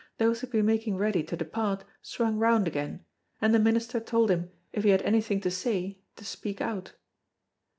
Those who had been making ready to depart swung round again, and the minister told him if he had anything to say to speak out.